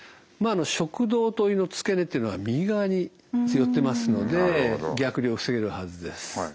食道と胃の付け根というのは右側に寄ってますので逆流を防げるはずです。